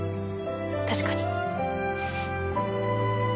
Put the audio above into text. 確かに。